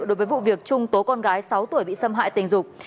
đối với vụ việc trung tố con gái sáu tuổi bị xâm hại tình dục